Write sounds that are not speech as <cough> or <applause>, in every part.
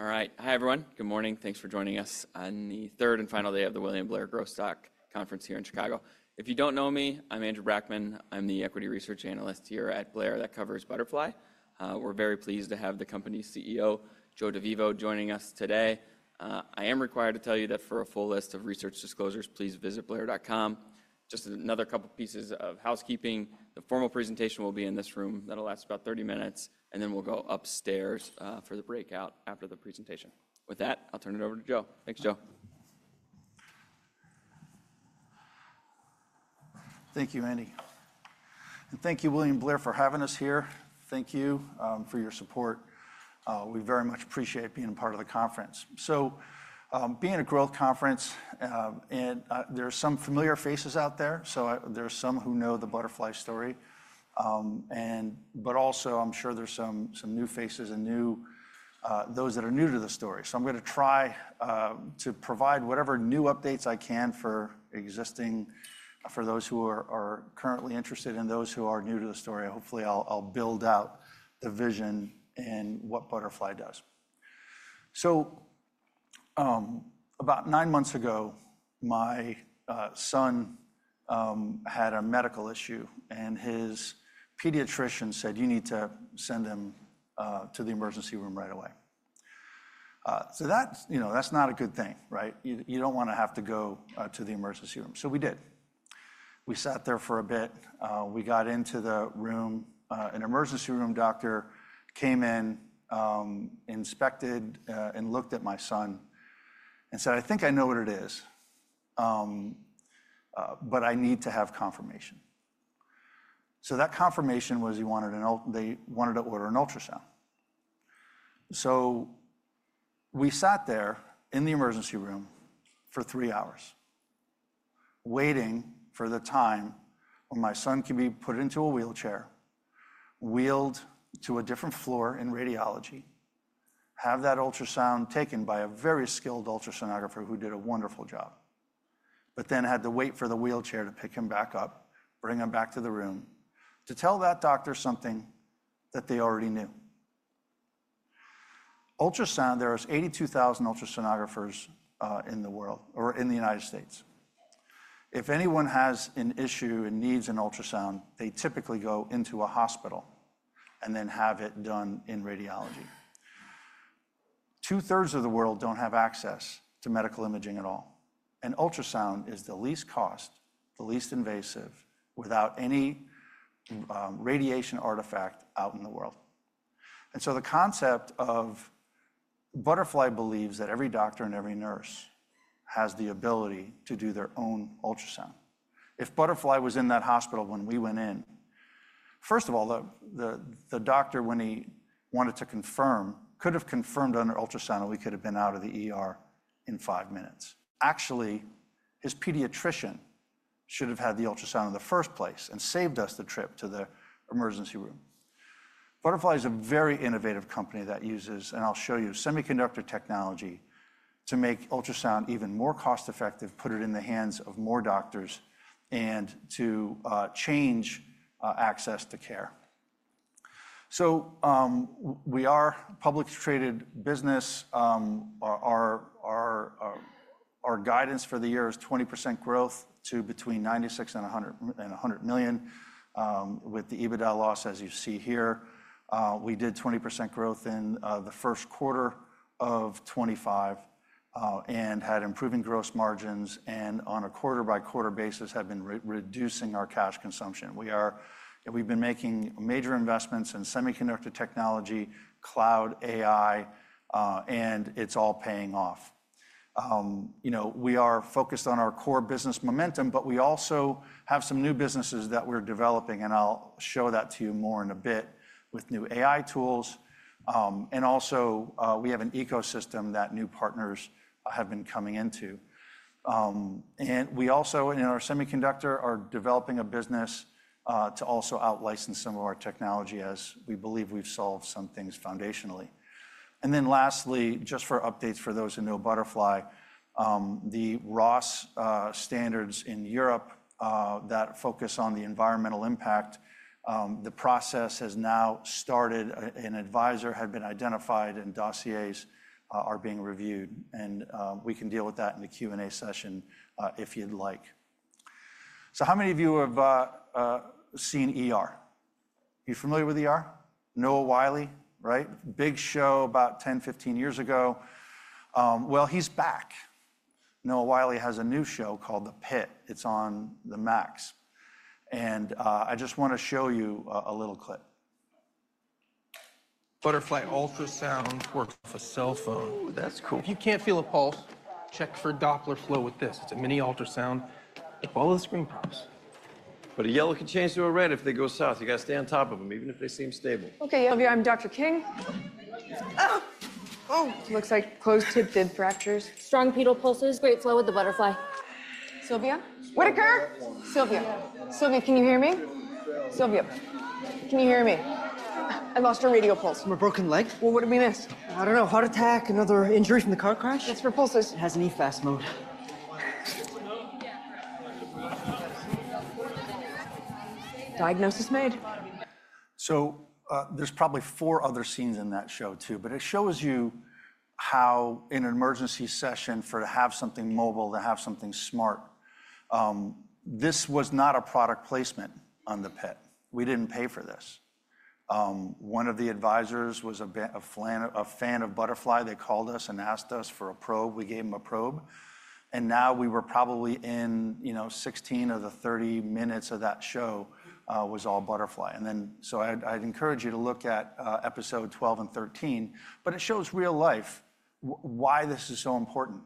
All right. Hi, everyone. Good morning. Thanks for joining us on the third and final day of the William Blair growth stock conference here in Chicago. If you do not know me, I am Andrew Brackmann. I am the Equity Research Analyst here at Blair that covers Butterfly. We are very pleased to have the company's CEO, Joe DeVivo, joining us today. I am required to tell you that for a full list of research disclosures, please visit blair.com. Just another couple of pieces of housekeeping. The formal presentation will be in this room. That will last about 30 minutes. Then we will go upstairs for the breakout after the presentation. With that, I will turn it over to Joe. Thanks, Joe. Thank you, Andy. Thank you, William Blair, for having us here. Thank you for your support. We very much appreciate being part of the conference. Being a growth conference, there are some familiar faces out there. There are some who know the Butterfly story. I'm sure there are some new faces and those that are new to the story. I'm going to try to provide whatever new updates I can for those who are currently interested and those who are new to the story. Hopefully, I'll build out the vision and what Butterfly does. About nine months ago, my son had a medical issue, and his pediatrician said, "You need to send him to the emergency room right away." That's not a good thing, right? You don't want to have to go to the emergency room. We did. We sat there for a bit. We got into the room. An emergency room doctor came in, inspected, and looked at my son and said, "I think I know what it is, but I need to have confirmation." That confirmation was they wanted to order an ultrasound. We sat there in the emergency room for three hours, waiting for the time when my son could be put into a wheelchair, wheeled to a different floor in radiology, have that ultrasound taken by a very skilled ultrasonographer who did a wonderful job, but then had to wait for the wheelchair to pick him back up, bring him back to the room to tell that doctor something that they already knew. Ultrasound, there are 82,000 ultrasonographers in the United States. If anyone has an issue and needs an ultrasound, they typically go into a hospital and then have it done in radiology. Two-thirds of the world do not have access to medical imaging at all. Ultrasound is the least cost, the least invasive, without any radiation artifact out in the world. The concept of Butterfly believes that every doctor and every nurse has the ability to do their own ultrasound. If Butterfly was in that hospital when we went in, first of all, the doctor, when he wanted to confirm, could have confirmed under ultrasound, and we could have been out of ER in five minutes. Actually, his pediatrician should have had the ultrasound in the first place and saved us the trip to the emergency room. Butterfly is a very innovative company that uses, and I'll show you, semiconductor technology to make ultrasound even more cost-effective, put it in the hands of more doctors, and to change access to care. We are a publicly traded business. Our guidance for the year is 20% growth to between $96 million and $100 million with the EBITDA loss, as you see here. We did 20% growth in the first quarter of 2025 and had improving gross margins and, on a quarter-by-quarter basis, have been reducing our cash consumption. We've been making major investments in semiconductor technology, cloud, AI, and it's all paying off. We are focused on our core business momentum, but we also have some new businesses that we're developing, and I'll show that to you more in a bit with new AI tools. Also, we have an ecosystem that new partners have been coming into. We also, in our semiconductor, are developing a business to also out-license some of our technology as we believe we've solved some things foundationally. Lastly, just for updates for those who know Butterfly, the RoHS standards in Europe that focus on the environmental impact, the process has now started. An advisor had been identified, and dossiers are being reviewed. We can deal with that in the Q&A session if you'd like. How many of you have seen or are familiar with Noah Wyle, right? Big show about 10-15 years ago. He is back. Noah Wyle has a new show called The Pit. It is on Max. I just want to show you a little clip. Butterfly ultrasound works off a cell phone. Ooh, that's cool. If you can't feel a pulse, check for Doppler flow with this. It's a mini ultrasound. Follow the screen prompts. A yellow can change to a red if they go south. You got to stay on top of them, even if they seem stable. Okay, Sylvia, I'm Dr. King. Oh, looks like closed tib-fib fractures. Strong pedal pulses, great flow with the Butterfly. Sylvia? What occurred? Sylvia. Sylvia, can you hear me? Sylvia, can you hear me? I lost a radial pulse. From a broken leg? What have we missed? I don't know. Heart attack, another injury from the car crash? It's for pulses. It has an eFAST mode. Diagnosis made. There are probably four other scenes in that show, too. It shows you how, in an emergency session, to have something mobile, to have something smart. This was not a product placement on The Pit. We did not pay for this. One of the advisors was a fan of Butterfly. They called us and asked us for a probe. We gave them a probe. We were probably in 16 of the 30 minutes of that show, it was all Butterfly. I would encourage you to look at episode 12 and 13. It shows real life, why this is so important.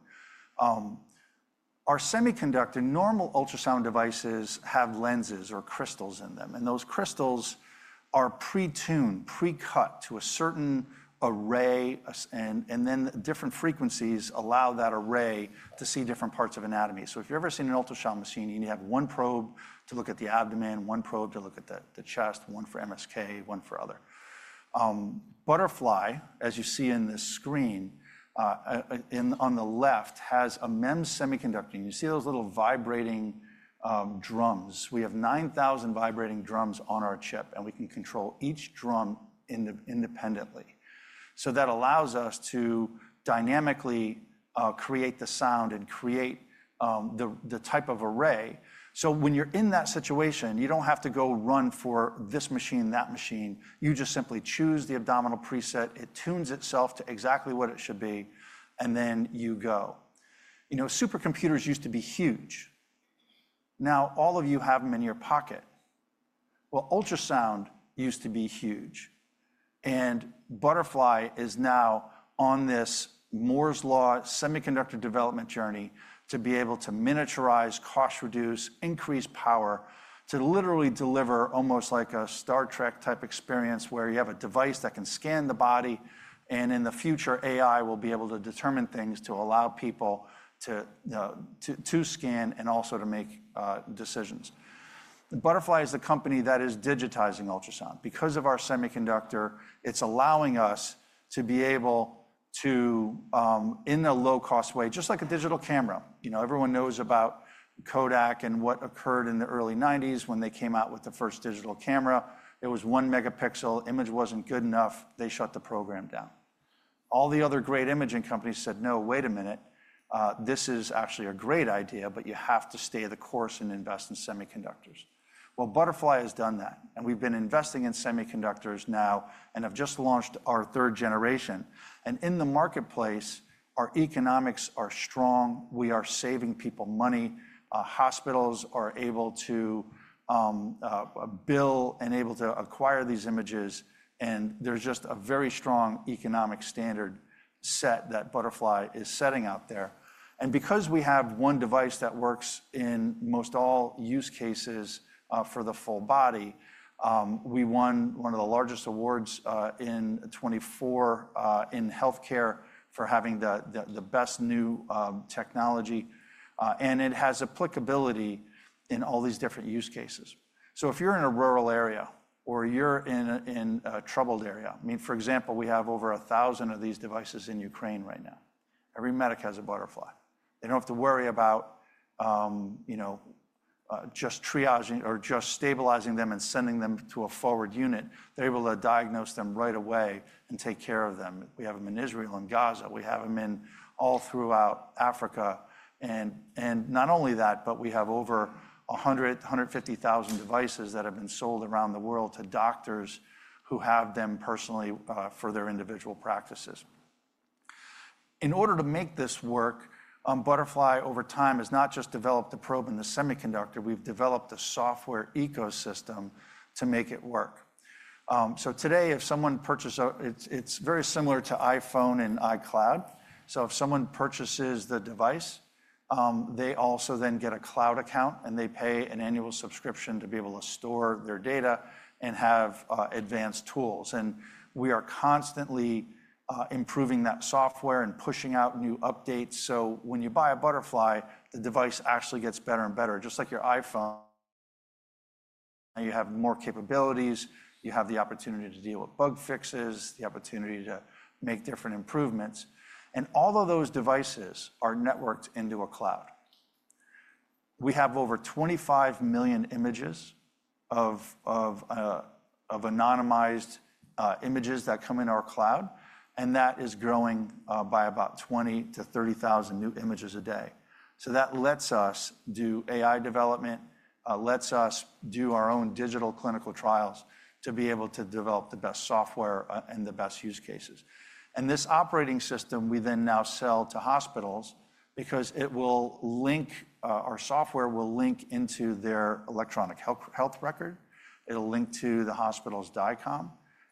Our semiconductor, normal ultrasound devices have lenses or crystals in them. Those crystals are pre-tuned, pre-cut to a certain array. Different frequencies allow that array to see different parts of anatomy. If you've ever seen an ultrasound machine, you need to have one probe to look at the abdomen, one probe to look at the chest, one for MSK, one for other. Butterfly, as you see in this screen on the left, has a MEMS semiconductor. You see those little vibrating drums. We have 9,000 vibrating drums on our chip, and we can control each drum independently. That allows us to dynamically create the sound and create the type of array. When you're in that situation, you don't have to go run for this machine, that machine. You just simply choose the abdominal preset. It tunes itself to exactly what it should be, and then you go. Supercomputers used to be huge. Now all of you have them in your pocket. Ultrasound used to be huge. Butterfly is now on this Moore's Law semiconductor development journey to be able to miniaturize, cost-reduce, increase power to literally deliver almost like a Star Trek-type experience where you have a device that can scan the body. In the future, AI will be able to determine things to allow people to scan and also to make decisions. Butterfly is the company that is digitizing ultrasound. Because of our semiconductor, it's allowing us to be able to, in a low-cost way, just like a digital camera. Everyone knows about Kodak and what occurred in the early 1990s when they came out with the first digital camera. It was one megapixel. Image wasn't good enough. They shut the program down. All the other great imaging companies said, "No, wait a minute. This is actually a great idea, but you have to stay the course and invest in semiconductors. Butterfly has done that. We've been investing in semiconductors now and have just launched our third generation. In the marketplace, our economics are strong. We are saving people money. Hospitals are able to bill and able to acquire these images. There's just a very strong economic standard set that Butterfly is setting out there. Because we have one device that works in most all use cases for the full body, we won one of the largest awards in 2024 in healthcare for having the best new technology. It has applicability in all these different use cases. If you're in a rural area or you're in a troubled area, I mean, for example, we have over 1,000 of these devices in Ukraine right now. Every medic has a Butterfly. They don't have to worry about just triaging or just stabilizing them and sending them to a forward unit. They're able to diagnose them right away and take care of them. We have them in Israel and Gaza. We have them all throughout Africa. Not only that, but we have over 100,000-150,000 devices that have been sold around the world to doctors who have them personally for their individual practices. In order to make this work, Butterfly, over time, has not just developed the probe and the semiconductor. We've developed a software ecosystem to make it work. Today, if someone purchases, it's very similar to iPhone and iCloud. If someone purchases the device, they also then get a cloud account, and they pay an annual subscription to be able to store their data and have advanced tools. We are constantly improving that software and pushing out new updates. When you buy a Butterfly, the device actually gets better and better, just like your iPhone. You have more capabilities. You have the opportunity to deal with bug fixes, the opportunity to make different improvements. All of those devices are networked into a cloud. We have over 25 million anonymized images that come in our Cloud, and that is growing by about 20,000-30,000 new images a day. That lets us do AI development, lets us do our own digital clinical trials to be able to develop the best software and the best use cases. This operating system, we now sell to hospitals because it will link—our software will link into their electronic health record. It will link to the hospital's DICOM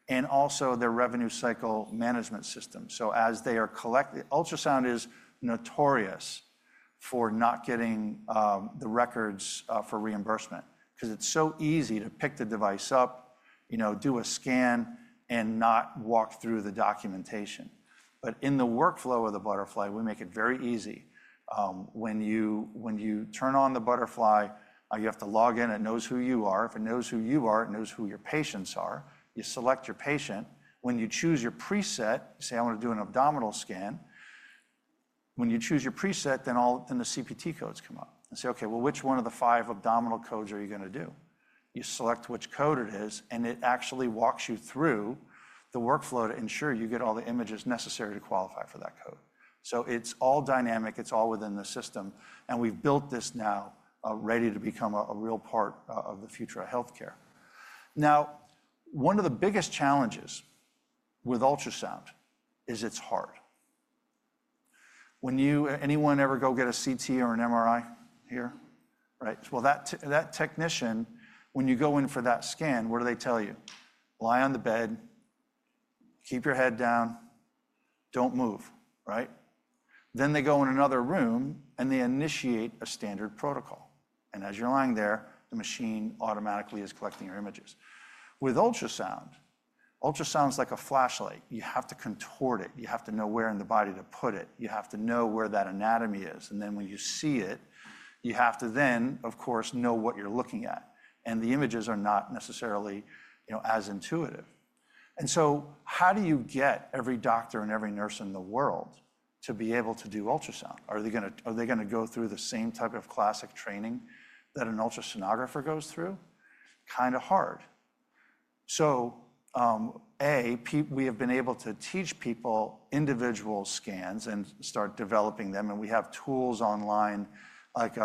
and also their revenue cycle management system. As they are collecting, ultrasound is notorious for not getting the records for reimbursement because it's so easy to pick the device up, do a scan, and not walk through the documentation. In the workflow of the Butterfly, we make it very easy. When you turn on the Butterfly, you have to log in. It knows who you are. If it knows who you are, it knows who your patients are. You select your patient. When you choose your preset, you say, "I want to do an abdominal scan." When you choose your preset, then all the CPT codes come up. You say, "Okay, well, which one of the five abdominal codes are you going to do?" You select which code it is, and it actually walks you through the workflow to ensure you get all the images necessary to qualify for that code. It's all dynamic. It's all within the system. We've built this now ready to become a real part of the future of healthcare. One of the biggest challenges with ultrasound is it's hard. Anyone ever go get a CT or an MRI here? Right. That technician, when you go in for that scan, what do they tell you? Lie on the bed, keep your head down, don't move, right? They go in another room, and they initiate a standard protocol. As you're lying there, the machine automatically is collecting your images. With ultrasound, ultrasound is like a flashlight. You have to contort it. You have to know where in the body to put it. You have to know where that anatomy is. When you see it, you have to then, of course, know what you're looking at. The images are not necessarily as intuitive. How do you get every doctor and every nurse in the world to be able to do ultrasound? Are they going to go through the same type of classic training that an ultrasonographer goes through? Kind of hard. A, we have been able to teach people individual scans and start developing them. We have tools online like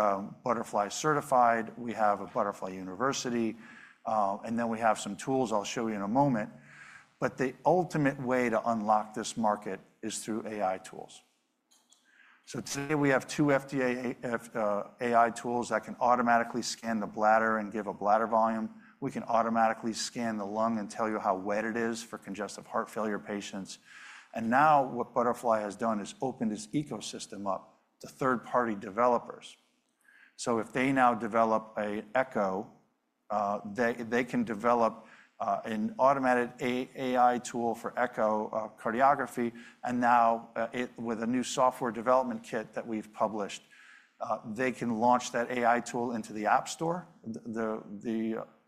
Butterfly Certified. We have Butterfly University. We have some tools I'll show you in a moment. The ultimate way to unlock this market is through AI tools. Today, we have two FDA AI tools that can automatically scan the bladder and give a bladder volume. We can automatically scan the lung and tell you how wet it is for congestive heart failure patients. Now what Butterfly has done is opened its ecosystem up to third-party developers. If they now develop an echo, they can develop an automated AI tool for echocardiography. Now, with a new software development kit that we've published, they can launch that AI tool into the App Store.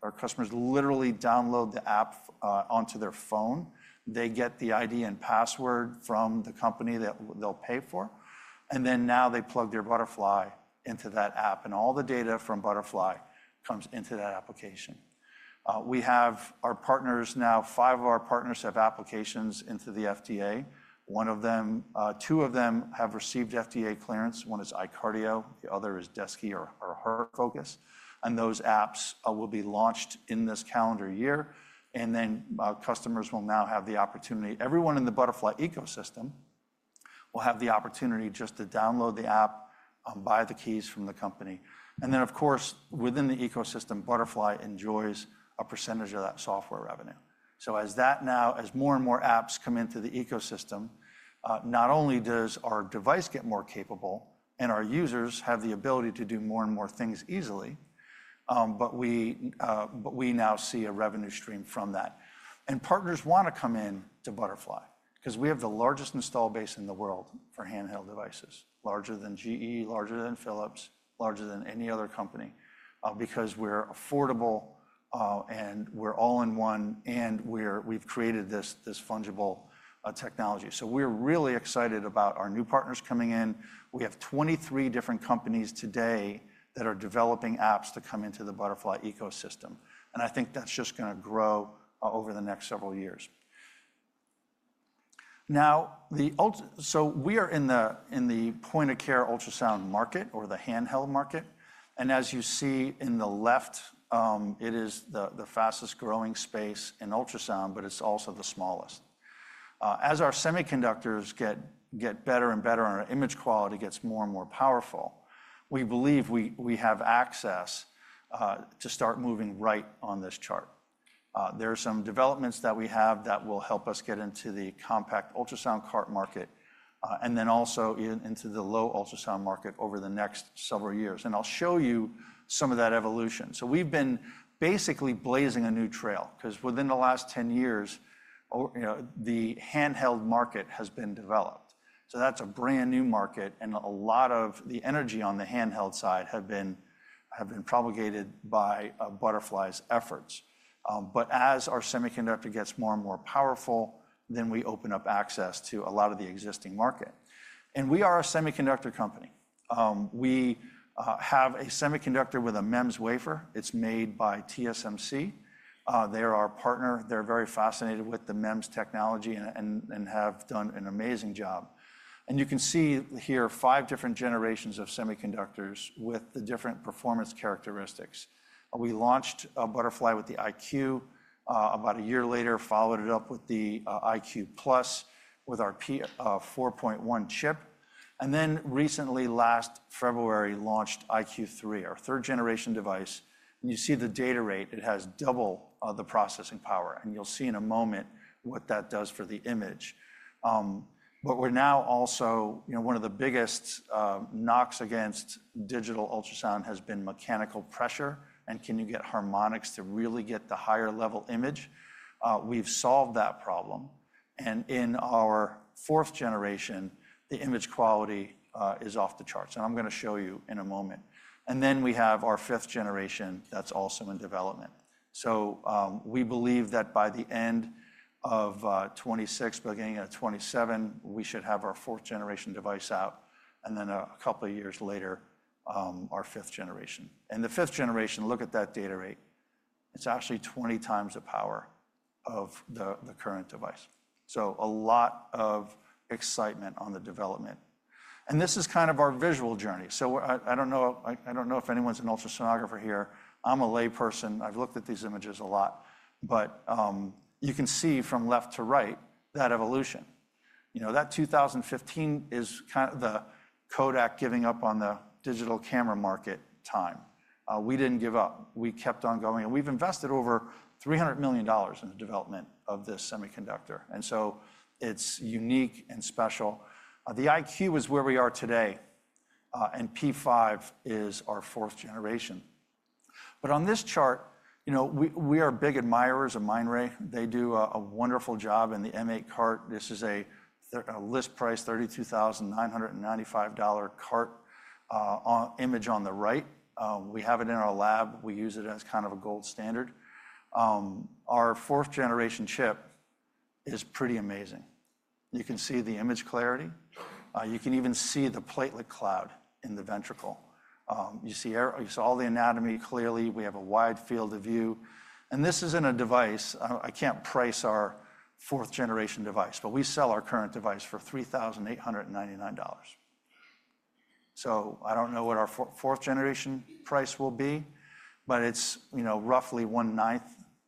Our customers literally download the app onto their phone. They get the ID and password from the company that they'll pay for. Now they plug their Butterfly into that app. All the data from Butterfly comes into that application. We have our partners now. Five of our partners have applications into the FDA. Two of them have received FDA clearance. One is iCardio. The other is DESCI or HeartFocus. Those apps will be launched in this calendar year. Customers will now have the opportunity. Everyone in the Butterfly ecosystem will have the opportunity just to download the app, buy the keys from the company. Within the ecosystem, Butterfly enjoys a percentage of that software revenue. As more and more apps come into the ecosystem, not only does our device get more capable and our users have the ability to do more and more things easily, but we now see a revenue stream from that. Partners want to come in to Butterfly because we have the largest install base in the world for handheld devices, larger than GE, larger than Philips, larger than any other company because we are affordable and we are all-in-one and we have created this fungible technology. We are really excited about our new partners coming in. We have 23 different companies today that are developing apps to come into the Butterfly ecosystem. I think that is just going to grow over the next several years. Now, we are in the point-of-care ultrasound market or the handheld market. As you see in the left, it is the fastest-growing space in ultrasound, but it is also the smallest. As our semiconductors get better and better and our image quality gets more and more powerful, we believe we have access to start moving right on this chart. There are some developments that we have that will help us get into the compact ultrasound cart market and then also into the low ultrasound market over the next several years. I will show you some of that evolution. We have been basically blazing a new trail because within the last 10 years, the handheld market has been developed. That is a brand new market. A lot of the energy on the handheld side has been propagated by Butterfly's efforts. As our semiconductor gets more and more powerful, we open up access to a lot of the existing market. We are a semiconductor company. We have a semiconductor with a MEMS wafer. It is made by TSMC. They are our partner. They are very fascinated with the MEMS technology and have done an amazing job. You can see here five different generations of semiconductors with the different performance characteristics. We launched Butterfly with the iQ. About a year later, we followed it up with the iQ+ with our 4.1 chip. Recently, last February, we launched iQ3, our third-generation device. You see the data rate. It has double the processing power. You will see in a moment what that does for the image. We are now also one of the biggest knocks against digital ultrasound has been mechanical pressure. Can you get harmonics to really get the higher-level image? We've solved that problem. In our fourth generation, the image quality is off the charts. I'm going to show you in a moment. We have our fifth generation that's also in development. We believe that by the end of 2026, beginning of 2027, we should have our fourth-generation device out. A couple of years later, our fifth generation. The fifth generation, look at that data rate. It's actually 20x the power of the current device. A lot of excitement on the development. This is kind of our visual journey. I don't know if anyone's an ultrasonographer here. I'm a layperson. I've looked at these images a lot. You can see from left to right that evolution. That 2015 is kind of the Kodak giving up on the digital camera market time. We didn't give up. We kept on going. And we've invested over $300 million in the development of this semiconductor. It's unique and special. The iQ is where we are today. P5 is our fourth generation. On this chart, we are big admirers of Mindray. They do a wonderful job in the M8 cart. This is a list price, $32,995 cart image on the right. We have it in our lab. We use it as kind of a gold standard. Our fourth-generation chip is pretty amazing. You can see the image clarity. You can even see the platelet cloud in the ventricle. You see all the anatomy clearly. We have a wide field of view. This isn't a device. I can't price our fourth-generation device. We sell our current device for $3,899. I do not know what our fourth-generation price will be, but it is roughly one-ninth,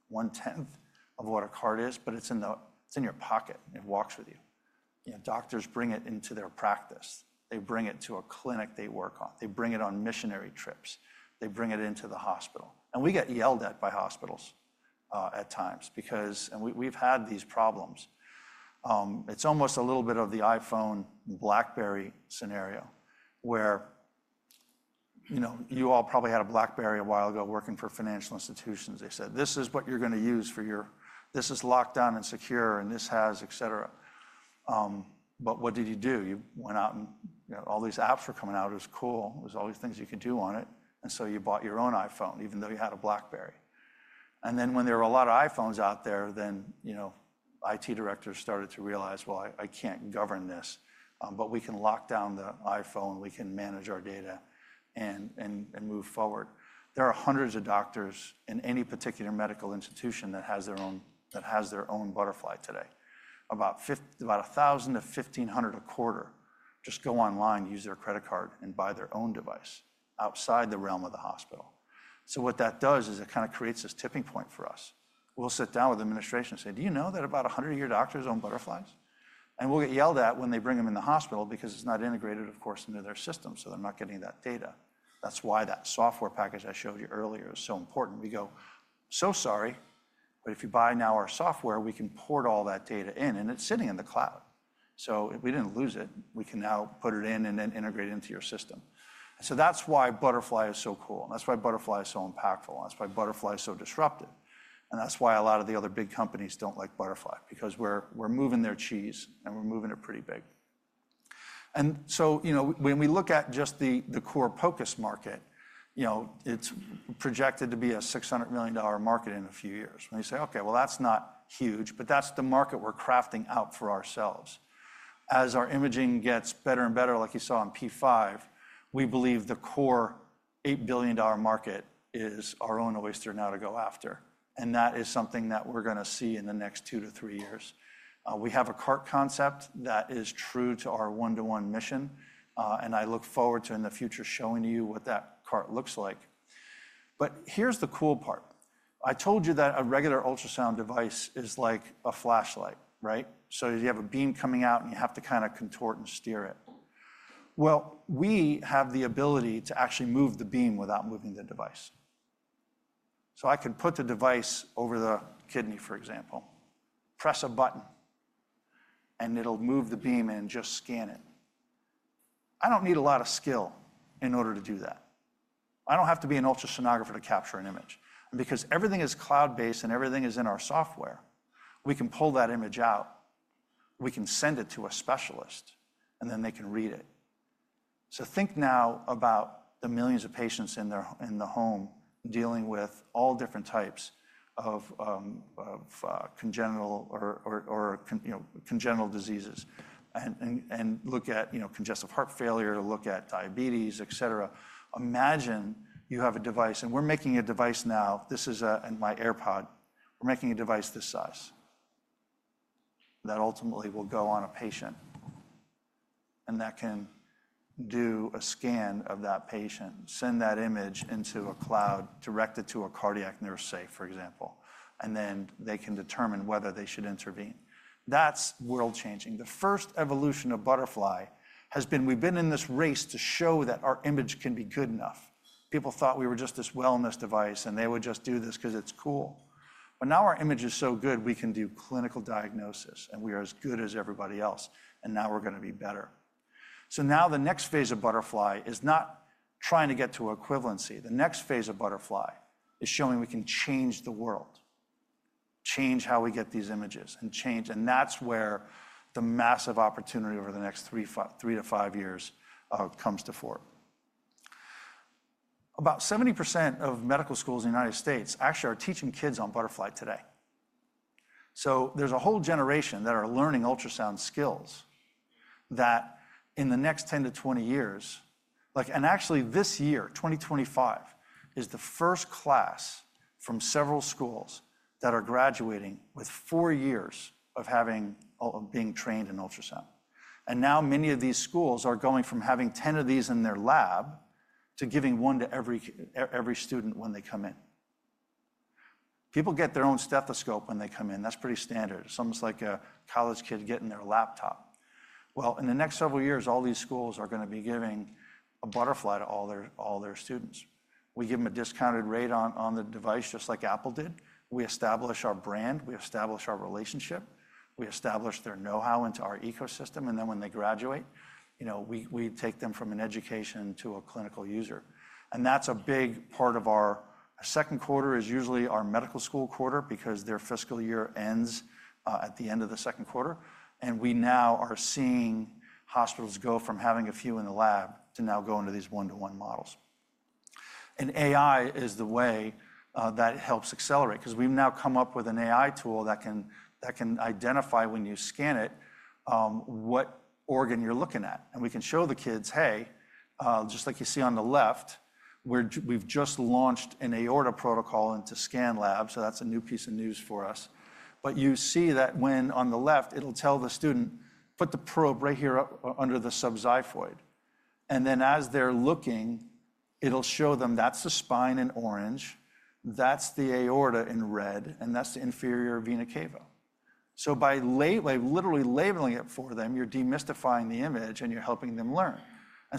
one-tenth of what a cart is. It is in your pocket. It walks with you. Doctors bring it into their practice. They bring it to a clinic they work on. They bring it on missionary trips. They bring it into the hospital. We get yelled at by hospitals at times because we have had these problems. It is almost a little bit of the iPhone BlackBerry scenario where you all probably had a BlackBerry a while ago working for financial institutions. They said, "This is what you are going to use for your—this is locked down and secure, and this has," etc. What did you do? You went out and all these apps were coming out. It was cool. There were all these things you could do on it. You bought your own iPhone, even though you had a BlackBerry. When there were a lot of iPhones out there, IT directors started to realize, "Well, I can't govern this." We can lock down the iPhone. We can manage our data and move forward. There are hundreds of doctors in any particular medical institution that has their own Butterfly today. About 1,000-1,500 a quarter just go online, use their credit card, and buy their own device outside the realm of the hospital. What that does is it kind of creates this tipping point for us. We'll sit down with administration and say, "Do you know that about 100 of your doctors own Butterflies?" We get yelled at when they bring them in the hospital because it's not integrated, of course, into their system. They're not getting that data. That's why that software package I showed you earlier is so important. We go, "So sorry. But if you buy now our software, we can port all that data in." It's sitting in the cloud. We didn't lose it. We can now put it in and then integrate it into your system. That's why Butterfly is so cool. That's why Butterfly is so impactful. That's why Butterfly is so disruptive. That's why a lot of the other big companies don't like Butterfly because we're moving their cheese, and we're moving it pretty big. When we look at just the core focus market, it's projected to be a $600 million market in a few years. We say, "Okay, well, that's not huge." That is the market we're crafting out for ourselves. As our imaging gets better and better, like you saw in P5, we believe the core $8 billion market is our own oyster now to go after. That is something that we're going to see in the next two to three years. We have a cart concept that is true to our one-to-one mission. I look forward to, in the future, showing you what that cart looks like. Here's the cool part. I told you that a regular ultrasound device is like a flashlight, right? You have a beam coming out, and you have to kind of contort and steer it. We have the ability to actually move the beam without moving the device. I could put the device over the kidney, for example, press a button, and it will move the beam and just scan it. I do not need a lot of skill in order to do that. I do not have to be an ultrasonographer to capture an image. Because everything is cloud-based and everything is in our software, we can pull that image out. We can send it to a specialist, and then they can read it. Think now about the millions of patients in the home dealing with all different types of congenital or congenital diseases and look at congestive heart failure, look at diabetes, etc. Imagine you have a device. We are making a device now. This is my AirPod. We are making a device this size that ultimately will go on a patient. That can do a scan of that patient, send that image into a cloud, direct it to a cardiac nurse safe, for example. They can determine whether they should intervene. That is world-changing. The first evolution of Butterfly has been we have been in this race to show that our image can be good enough. People thought we were just this wellness device, and they would just do this because it is cool. Now our image is so good, we can do clinical diagnosis, and we are as good as everybody else. Now we are going to be better. The next phase of Butterfly is not trying to get to equivalency. The next phase of Butterfly is showing we can change the world, change how we get these images, and change. That is where the massive opportunity over the next three to five years comes to fore. About 70% of medical schools in the United States actually are teaching kids on Butterfly today. So there's a whole generation that are learning ultrasound skills that in the next 10-20 years and actually this year, 2025, is the first class from several schools that are graduating with four years of being trained in ultrasound. And now many of these schools are going from having 10 of these in their lab to giving one to every student when they come in. People get their own stethoscope when they come in. That's pretty standard. It's almost like a college kid getting their laptop. In the next several years, all these schools are going to be giving a Butterfly to all their students. We give them a discounted rate on the device just like Apple did. We establish our brand. We establish our relationship. We establish their know-how into our ecosystem. Then when they graduate, we take them from an education to a clinical user. That is a big part of our second quarter, which is usually our medical school quarter because their fiscal year ends at the end of the second quarter. We now are seeing hospitals go from having a few in the lab to now going to these one-to-one models. AI is the way that helps accelerate because we have now come up with an AI tool that can identify when you scan it what organ you are looking at. We can show the kids, "Hey, just like you see on the left, we have just launched an aorta protocol into ScanLab." That is a new piece of news for us. You see that when on the left, it'll tell the student, "Put the probe right here under the subxiphoid." As they're looking, it'll show them that's the spine in orange, that's the aorta in red, and that's the inferior vena cava. By literally labeling it for them, you're demystifying the image, and you're helping them learn.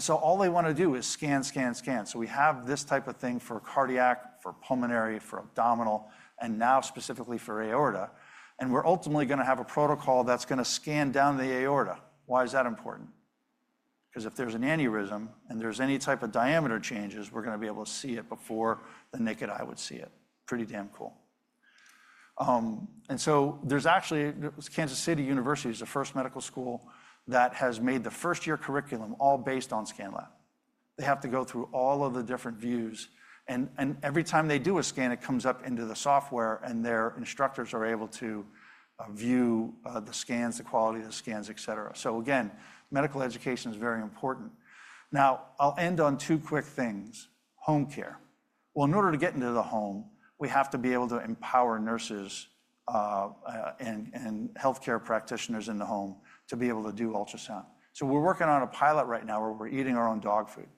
All they want to do is scan, scan, scan. We have this type of thing for cardiac, for pulmonary, for abdominal, and now specifically for aorta. We're ultimately going to have a protocol that's going to scan down the aorta. Why is that important? Because if there's an aneurysm and there's any type of diameter changes, we're going to be able to see it before the naked eye would see it. Pretty damn cool. There is actually Kansas City University, which is the first medical school that has made the first-year curriculum all based on ScanLab. They have to go through all of the different views. Every time they do a scan, it comes up into the software, and their instructors are able to view the scans, the quality of the scans, etc. Medical education is very important. I will end on two quick things. Home care. In order to get into the home, we have to be able to empower nurses and healthcare practitioners in the home to be able to do ultrasound. We are working on a pilot right now where we are eating our own dog food.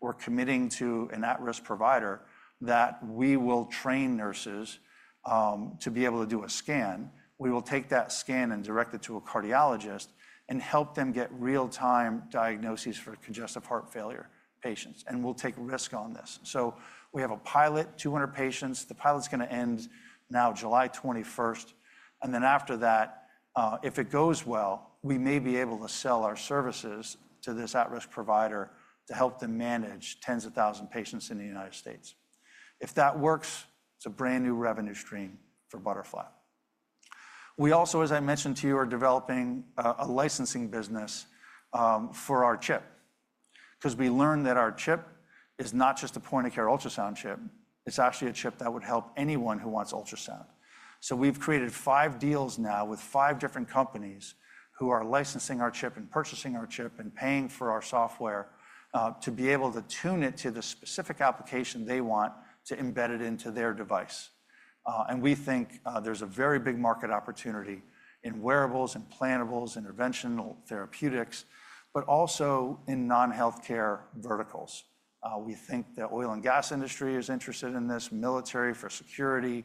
We are committing to an at-risk provider that we will train nurses to be able to do a scan. We will take that scan and direct it to a cardiologist and help them get real-time diagnoses for congestive heart failure patients. We will take risk on this. We have a pilot, 200 patients. The pilot's going to end now July 21st. After that, if it goes well, we may be able to sell our services to this at-risk provider to help them manage tens of thousand patients in the United States. If that works, it's a brand new revenue stream for Butterfly. We also, as I mentioned to you, are developing a licensing business for our chip because we learned that our chip is not just a point-of-care ultrasound chip. It's actually a chip that would help anyone who wants ultrasound. We've created five deals now with five different companies who are licensing our chip and purchasing our chip and paying for our software to be able to tune it to the specific application they want to embed it into their device. We think there's a very big market opportunity in wearables and planables, interventional therapeutics, but also in non-healthcare verticals. We think the Oil and Gas industry is interested in this, military for security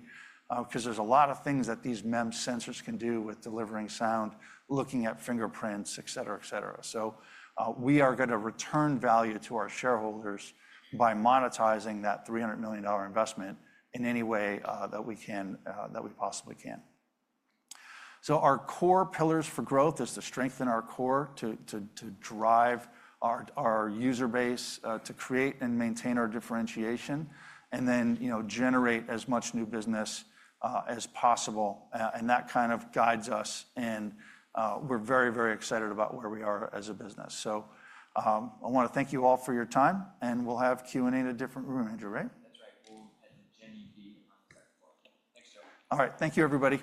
because there's a lot of things that these MEMS sensors can do with delivering sound, looking at fingerprints, etc., etc. We are going to return value to our shareholders by monetizing that $300 million investment in any way that we possibly can. Our core pillars for growth is to strengthen our core to drive our user base, to create and maintain our differentiation, and then generate as much new business as possible. That kind of guides us. We are very, very excited about where we are as a business. I want to thank you all for your time. We will have Q&A in a different room, Andrew. Right?, That's right. <audio distortion> Thanks, Joe. All right. Thank you, everybody.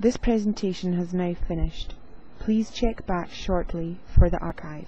This presentation has now finished. Please check back shortly for the archive.